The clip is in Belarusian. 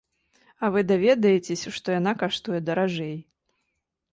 А вы даведаецеся, што яна каштуе даражэй.